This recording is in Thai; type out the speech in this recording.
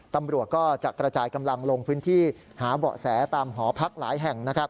ตำรวจก็จะกระจายกำลังลงพื้นที่หาเบาะแสตามหอพักหลายแห่ง